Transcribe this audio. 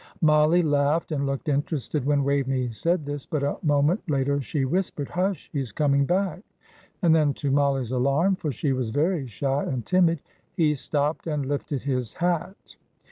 Mollie laughed, and looked interested when Waveney said this; but a moment later she whispered, "Hush! he is coming back;" and then, to Mollie's alarm for she was very shy and timid he stopped and lifted his hat.